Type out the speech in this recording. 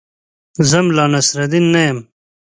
زه ملا نصرالدین نه یم.